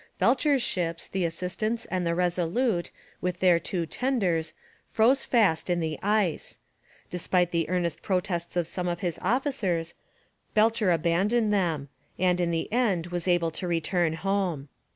Belcher's ships the Assistance and the Resolute, with their two tenders, froze fast in the ice. Despite the earnest protests of some of his officers, Belcher abandoned them, and, in the end, was able to return home.